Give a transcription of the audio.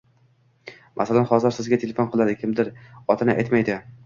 Masalan, hozir sizga telefon qiladi kimdir, otini aytmaydi: